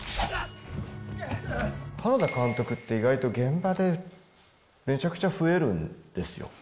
原田監督って意外と現場でめちゃくちゃ増えるんですよ。